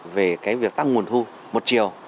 về cái việc tăng nguồn thu một triều